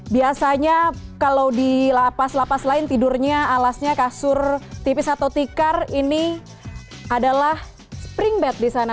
biasanya kalau di lapas lapas lain tidurnya alasnya kasur tipis atau tikar ini adalah spring bed di sana